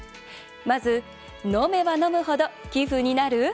まず、「飲めば飲むほど寄付になる！？」